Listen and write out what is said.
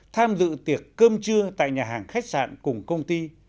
tham dự tiệc cơm trưa tại nhà hàng khách sạn cùng công ty